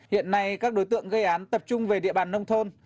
hiện nay các đối tượng gây án tập trung về địa bàn nông thôn